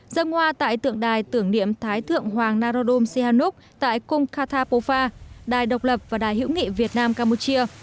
dân ngoa tại tượng đài tưởng niệm thái thượng hoàng narodom sihannuk tại cung khatha pofa đài độc lập và đài hữu nghị việt nam campuchia